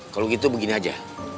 kalau begitu begini saja